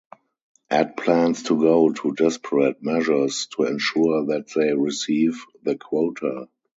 Ed plans to go to desperate measures to ensure that they receive the quota.